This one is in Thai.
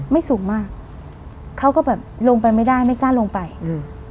สูงมากเขาก็แบบลงไปไม่ได้ไม่กล้าลงไปอืม